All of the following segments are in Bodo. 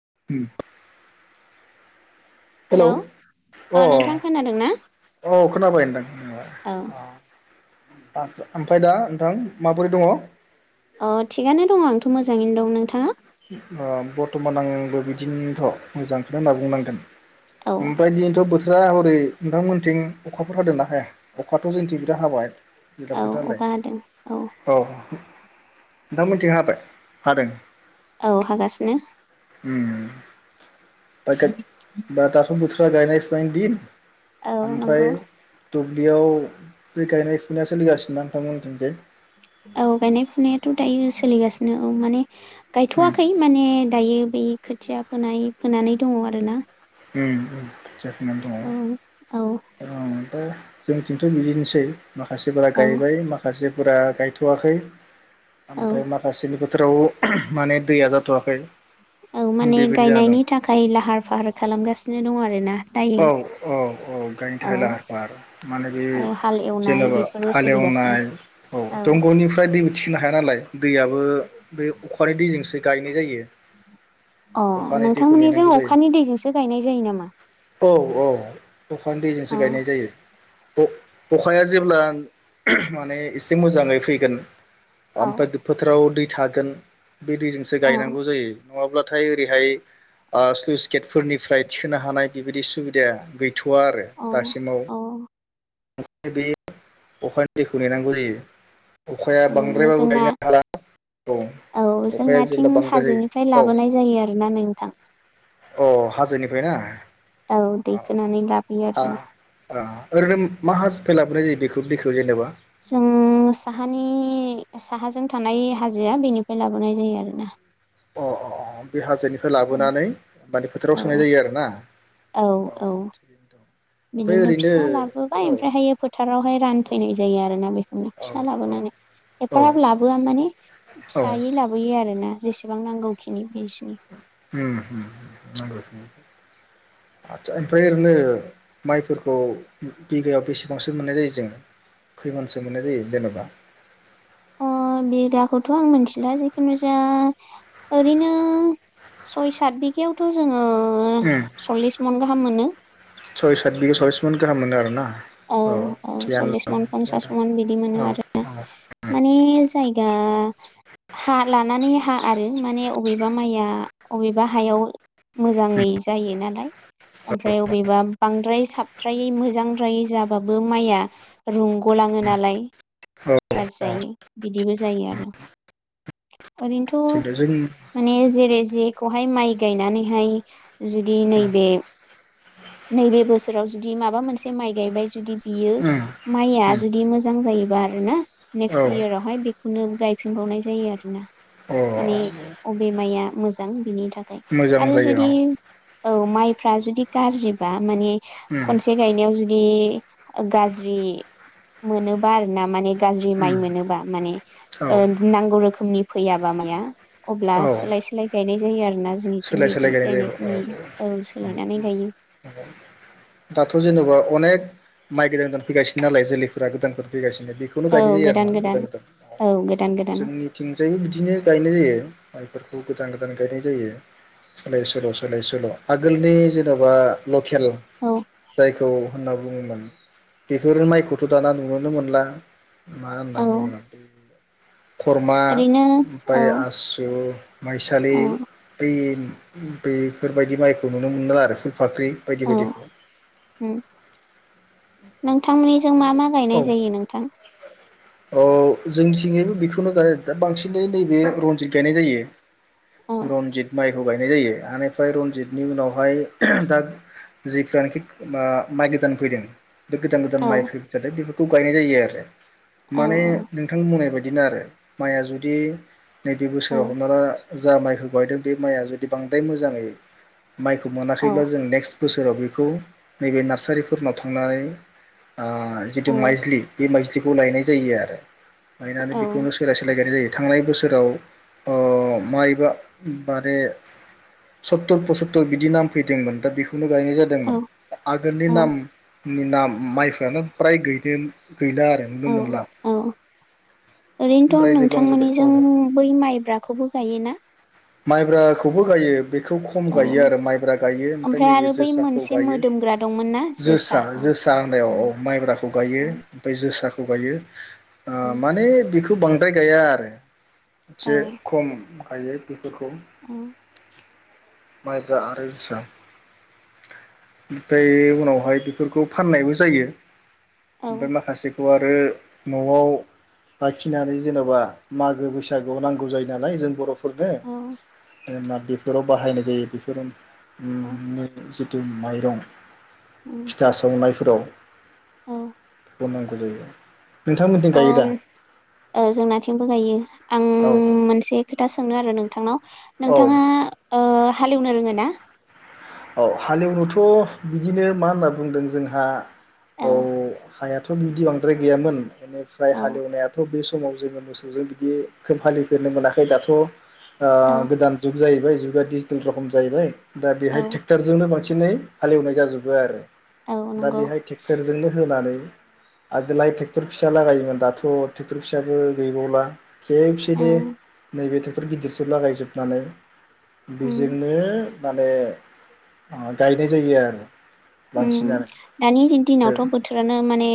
[unintelligible] हेलौ अ नोंथां खोनादोंना? अ खोनाबाय नोंथां [unintelligible] आदसा ओमफ्राय दा नोंथां माबोरै दङ? अ थिगानो दङ आंथ' मोजाङैनो दं। नोंथाङा? ओ बर्थमान आंबो बिदिनोथ' मोजांखौनो होनना बुंनांगोन। औ ओमफ्राय दिनैथ' बो थोरा हरै नोंथांमोनथिं अखाफोर हादोंना हाया अखाथ' जोंथिं बिराद हाबाय। औ अखा हादों [unintelligible] औ। नोंथां मोनथिं हाबाय हादों। औ हागासिनो। उम। हयथ' बा दासो बोथोर गायनाय फुनायनि दिन। औ ओमफ्राय नंगौ। दुब्लियाव बे गायनाय फुनाया सोलिगासिनो नोंथांमोनिथिंजाय। औ गायनाय फुनायाथ' दायो सोलिगासिनो औ माने। उम गायथ'वाखै माने दायो बै। खोथिया फोनाय फोनानै दङ आरो ना। उम उम। जाख'नानै दङ औ [unintelligible] दा जोंनिथिंथ' बिदिनोसै। माखासेफोरा औ गायबाय माखासेफोरा गायथ'वाखै। औ ओमफ्राय माखासेनि बो थोराव माने दैया जाथ'वाखै। औ माने बेबायदि जाना दं गायनायनि थाखाय लाहार फाहार। खालामगासिनो दं आरोना। औ दायो औ औ गायनो औ थाखाय लाहार फाहार माने बे औ हाल एवनाय जेनेबा बेफोरो सोलिगासिनो हालेवनाय औ दंग'निफ्राय दै उथिनो हाया नालाय दैयाबो बे अखानि दैजोंसो। गायनाय जायो। अ अखानि दैखौ नोंथांमोननिजों नेनांगौ जायो अखानि दैजोंसो गायनाय जायो नामा? औ औ अखानि दैजोंसो अ गायनाय जायो। अखाया जेब्ला [unintelligible] माने एसे मोजाङै फैगोन। आंफाय औ फोथाराव दै। थागोन। बे दैजोंसो औ गायनांगौ जायो। नङाब्लाथाय ओरैहाय ओ स्लुइस गेटफोरनिफ्राय थिखोनो हानाय। बेबायदि सुबिदा गै थ'वा आरो औ दासिमाव। औ [unintelligible] बे अखानि दैखौ नेनांगौ जायो। अखाया ओम बांद्रायबाबो जोंना गायनो हाला औ अखाया जेब्ला जोंनाथिं बांद्राय हाजोनिफ्राय जायो लाबोनाय औ जायो आरोना नोंथां। अ' हाजोनिफ्राय ना? औ दैखोनानै लाबोयो आरोना। ओरैनोम मा हास फे लाबोनाय जायो दैखौ बेखौ जेनेबा। जों साहानि साहाजों थानाय हाजोआ बेनिफ्राय लाबोनाय जायो आरोना। अ' अ' अ' बे हाजोनि फाय लाबोनानै माने फोथाराव सोनाय औ जायो आरोना? औ औ थिगैनो दं ओमफ्राय बिदिनो ओरैनो फिसा लाबोबाय औ ओमफ्रायहायो फोथारावहाय रानफैनाय जायो आरोना बेख उम औ फिसा लाबोनानै औ एफाराब लाबोआ माने औ फिसायै लाबोयो आरोना। जेसेबां नांगौखिनि बिसिनि उम उम [unintelligible] आथसा ओ ओमफ्राय ओरैनो माइफोरखौ बिगायाव बेसेबांसो मोननाय जायो जों खैमनसो मोननाय जायो जेन'बा? अ' बिगाखौथ' आं मिथिला जिखुनु जाया ओरैनो सय साथ बिगायावथ' जोङो ओम सल्लिस मन गाहाम मोनो सय साथ बिगायाव सललिस मन गाहाम मोनो आरो ना? औ औ सल्लिस मन पन्सास दं मन बिदि औ मोनो आरो औ माने जायगा हा लानानै हा आरो माने अबेबा माइआ अबेबा हायाव मोजाङै जायो नालाय। ओमफ्राय बबेबा बांद्राय साबद्राय मोजां फ्राय जाबाबो माइआ रूंग'लाङो नालाय। औ गाज्रि औ जायो बिदिबो जायो आरो। थिग ओरैनोथ' जों माने जेरै जेख खौहाय माइ गायनानैहाय जुदि उम नैबे नैबे बोसोराव जुदि माबा मोनसे माइ गायबाय जुदि बियो माइया उम जुदि मोजां जायोबा आरो ना औ नेक्सट इयारावहाय बेखौनो गाय फिनबावनाय जायो आरो ना। अ माने अबे माइया मोजां बिनि थाख थाखाय मोजां आरो जायो औ जुदि औ माइ फ्रा जुदि गारज्रि बा माने उम खनसे गायनायाव जु दि ओ गाज्रि मोनोबा आरोना माने गाज्रि माइ उम मोनोबा माने औ ओ नांगौ रोखोमनि फैयाबा माया अब्ला औ सोलाय सोलाय गायनाय जायो आरोना जोंनिथिं सोलाय सोलाय बिदि गायनाय जायो गायनायखौ नुयो औ सोलायनानै गायो औ दाथ जेनबा अनेक माइ गोदान गोदान फैगासिनो नालाय जोलैफोरा गोदानफोर फैगासिनो बेखौनो गायनाय जायो आरोना गोदान गोदान औ गोदान गोदान जोंनिथिंजायबो बिदिनो गायनाय जायो माइफोरखौ गोदान गोदान गायनाय जायो सोलाय सोल सोलाय सोल आगोलनि जेनबा ल खेल औ जायखौ होनना बुङोमोन बेफोर माइखौथ दाना नुुनोनो मोनला मा होनना औ बुंगोन [unintelligible] खरमा ओरैनो औ ओमफ्राय आसु माइसालि औ बै बेफोरबायदि माइखौ नुनो मोनो आरोखि फाख्रि बायदि औ बायदिखौ उम नोंथांनि जों मा मा गायनाय जायो नोंथां अ जोंनिथिंजायबो बेखौनो गाय दा बांसिनै नैबे रनजित गायनाय औ जायो रनजित माइ खौ गायनाय जायो बेनिफ्राय रनजितनि उनावहाय दा जेफ्रानोखि मा माइ गोदान फैदों बे गोदान औ गोदान माइ बेफोरखौ गायनाय जायो आरो औ माने नोंथां बुंनाय बायदि बिदिनो आरो माइया जुदि नैबे औ बोसोराव हमना ला जा माइखौ गायदों बे माइआ जुदि बांद्राय मोजाङै माइखौ मोनाखैल्बा औ जों नेक्स् बोसोराव बेखौ नैबे नार्सारिफोरनाव थांनानै आ औ जितु माइज्लि बे माइज्लि खौ लायनाय जायो आरो लायनानै औ बेखौनो सोलाय सोलाय गायनाय जायो थांनाय बोसोराव ओ माइब्रा माने सत्तुर पसत्तुर बिदि नाम फैदोंमोन दा बेफोर खौनो गायनाय जादोंमोन औ आगोलनि औ नाम नि नाम माइ प्राय गैदेन औ औ ओरैनोथ ओमफ्राय जोबलांजोब्बाय औ नोंथांमोननिजों बै माइब्राखौबो गायोना माइब्राखौबो गायो बे बेखौ खम औ गायो आरो माइब्रा गायो ओमफ्राय नैबे आरो बै जोसाखौ मोनसे गायो मोदोमग्रा दंमोन ना जोसा औ जोसा होनायाव उम औ माइब्राखौ गायो उम ओमफ्राय जोसा जोसाखौ गायो अ उम माने बि दि बांद्राय गैाया आरो औ से खम गायो बेखौ औ माइब्रा आरो जोसा ओमफ्राय उनावहाय बेफोरखौ फाननायबो जायो औ ओमफ्राय माखासे आरो न'आव लाखिनानै जेनेबा मागो बैसागुआव नांगौ जायो नालाय जों बर' खुरनो औ जोना बेफोराव बाहायनाय जायो औ बेफोरावनो उ द माइरं उम फिथा संनाय फोराव औ बुंनांगौ जायो नोंथांमोनथिं गायो दा अ जोंनाथिंबो गायो आं औ मोनसे खोथा सोंनो आरो नोंथांनाव औ नोंथाङा हालेवनो रोङो ना औ हालेवनोथ' बिदिनो मा होनना बुंदों जोंहा औ हायाथ' बिदि बांद्राय गैयामोन बेनिफ्राय औ हालेवनायाथ' बे समाव जोङो मोसौजों बिदि [unintelligible] फोरनो मोनाखै दाथ' औ गोदान जुग जाहैबाय जुगा डिजिटेल रखम जाहैबायै दा बेहाय थ औ ट्रेक्टरजोंनो बांसिनै हालेवनाय जाजोबो आरो। औ दा नंगौ बेहाय ट्रेक्टरजोंनो होनानै आगोलाय ट्रेक्टर फिसा लागायोमोन दाथ' ट्रेक्टर फिसायाबो गैबावला। खेबसेनो ओं नैबे टे फोर गिदिरसो लागायजोबनानै उम बेजोंनो माने अ गायनो जायोानो दानि दिनावथ' बोथोरानो माने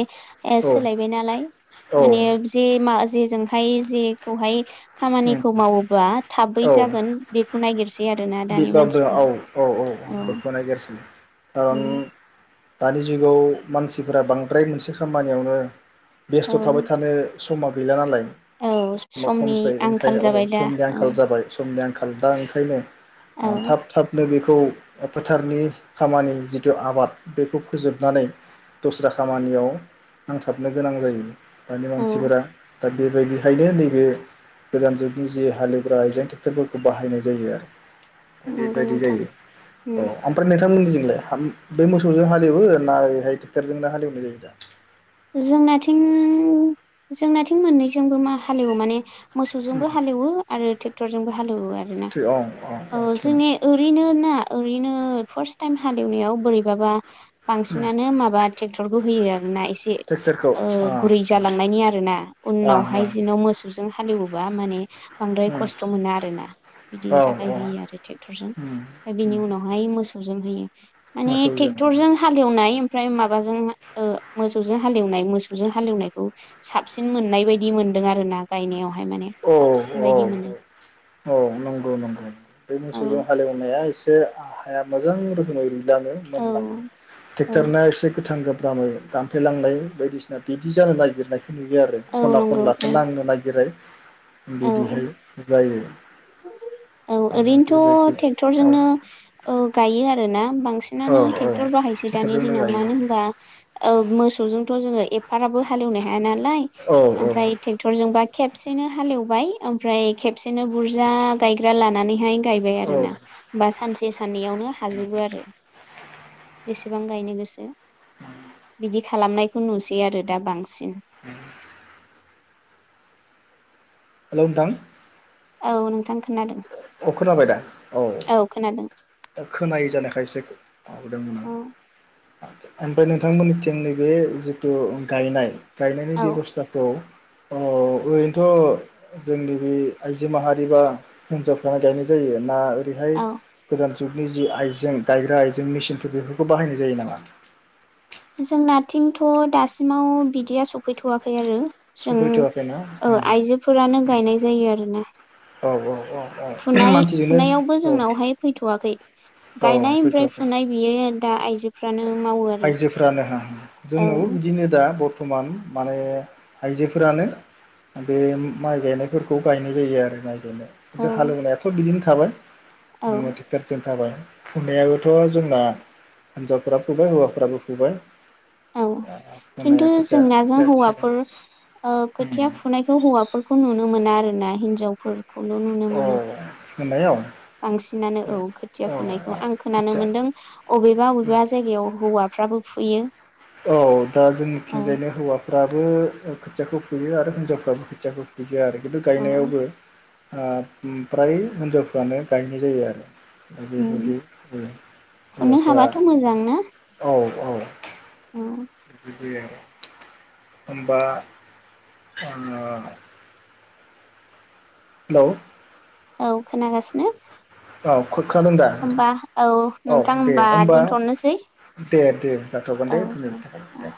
औ सोलायबाय नालाय, औ माने उम जे मा जेजोंहाय जेखौहाय खामानिखौ मावोब्ला थाबै जागोन बेखौ नागिरसै आरो। बेबो औ औ औ औ बोखौ नागिरसिनो औ। दन उम [unintelligible] दानि जुगाव मानसिफोरा बांद्राय मोनसे खामानियावनो औ बेस्थ' थाबाय थानो समा गैला नालाय औ समा समनि खमसै आंखाल ओंखायनो औ जाबाय दा समनि औ आंखाल जाबाय समनि आंखाल दा ओंखायनो। औ थाब थाबनो बे बेखौ फोथारनि खामानि जिथु आबाद बेखौ फोजोबनानै दस्रा खामानियाव नांथाबनो गोनां जायो। दानि औ मानसिफोरा दा बेबायदिहायनो नैबे गोदान जुगनि जे हालेवग्रा आइजें ट्रेक्टरफोरखौ बाहायनाय जायो आरो। नंगौ बेबायदि नोंथां जायो औ उम ओमफ्राय नोंथांमोननि जिं बै मोसौजों हालेवो ना ओरैहाय ट्रेक्टरजोंनो हालेवनाय जायो दा? जोंनाथिं जोंनाथिं मोननैजोंबो मा हालेवो माने मोसौजोंबो हालेवो आरो थ टक्टरबो हालेवआ आरोोना अ अ औ अ थिग जोंनि ओरैनो ना ओरैनो फार्स्टल टाइम हालेवनायाव बोरैबाबा बांसिनानो माबा ट्रेक्टरखौ होयो आरोना एसे ट्रेक्टरखौ गुरै आदसा जालांनायनि आरो ना ओं उनावहाय जेन' मोसौ जों हालेवोबा माने बांद्राय ओं खस्थ मोना आरोना बिदिनि थाखाय औ औ होयो आरो ट्रेक्टरजों ओमफ्राय बिनि उनावहाय मोसौ [unintelligible] माने मोसौजों ट्रेक्टरजों हालेवनाय ओमफ्राय माबाजों ओ मोसौजों जों हालेवनाय मोसौजों हालेवनायखौ साबसिन मोननाय बायदि मोन्दों आरो ना गायनायाव औव - औव औ - औ नंगौ नंगौ बे मोसौजों औ हालेवनाया एसे जे आ हाया मोजां रोखोमै रुय जानो मोनलाङो औ औ ट्रेक्टरना एसे गोथां गोम [unintelligible] दानफ्लेलांनाय बायदिसिना बिदि जानो नागिरनाय बियो आरो खना खनलाखौ नांनो नागिरै ओ - औ ओमफ्राय ओरैनोथ बेबायदि औ ट्रेक्टरजोंनो ओ गायो आरोना बां औ बांसिनानो औ ट्रेक्टर बाहायसै दानि ट्रेक्टरजोंनो दिनाव गायो मानो होनबा औ मोसौजोंथ जोङो एफाराबो हालेवनो हाया ना नालाय औ औ ओमफाय ट्रेक्टरजों बा खेबसेनो हालेव बाय ओमफ्राय खेबसेनो बुरजा गायग्रा लानानैहाय गायबाय औ आरोना बा सानसे साननैयावनो हाजोबो आरो बेसेबां गायनो गोसो बिदि खालामनायखौ नुसै आरो दा बांसिन [inaudible] हेलौ नोंथां औ नोंथां खोनादों अ खोनाबाय दा औ खोनायै जानाय [unintelligible] आव दोंमोन औ आदसा ओमफ्राय नोंथांमोनथिं नैबे जिथु गायनाय गायनायनि औ बेबस्थाखौ औ ओरैनोथ जोंनि बे आइजो माहारि बा हिनजावफ्रानो गायनाय जायो ना बेहाय औ गोदान जुगनि जि आइजें गायग्रा आइजें मेसिनफोर बेफोरखौ बाहायनाय जायो नामा जोंनाथिंथ दासिमाव बिदिया सफैथवाखै आरो जों सफैथ'वाखैना ओ आइजोफोरानो गायनाय जायो आरोना औ औ औ फुनाय मानसिजोंनो फुनायावबो औ जोंनावहाय फैथवाखै गायनाय ओमफ्राय फुनाय बियो दा आइजो आयजोफ्रानो हो औ जोंनाव बिदिनो दा समान माने आइजोफोरानो बे माइ गायनायफोरखौ गायनाय जायो आरो माइ औ नो हालौनायाथ' बिदिनो थाबाय। औ नोङो ट्रेक्ट'र सिम थाबाय। फुनायाबोथ' जोंना हिनजावफोरा फुबाय हौवाफ्राबो फुबाय औ किन्थु फुनाया खोथिया जोंनाजों खोथिया हौवाफोर ओ खोथिया थिखानाय फुनायखौ हौवाफोरखौ नुनो मोना आरो ना हि हिन्जावफोर खौल' नुनो मोनो। मोनायाव? बांसिनानो औ खोथिया फुनायखौ आं खोनानो खोथिया मोनदों अबेबा अबेबा जायगायाव हौवा फ्राबो फुयो। औ दा औ जोंनिथिंजायनो हौवा फ्राबो खोथियाखौ फुयो आरो हिनजावफ्राबो खोथियाखौ फुयो आरो। बेखौ औ गायनायावबो ओ फ्राय हिनजावफ्रानो गायनाय जायो आरो। द उम बेबायदि ज फुनो हौवाफोरा हाबाथ' मोजां ना औ। औ। औ [unintelligible] होमबा ओ हेलौ औ खोनागासिनो। औ। खोनादों दा होमबा औ औ नोंथां दे होमबा दोनथ'नोसै। दे दे। जाथ'गोन दे औ दिनैनि थाखाय औ दे।